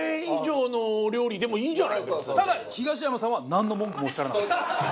ただ東山さんはなんの文句もおっしゃらなかった。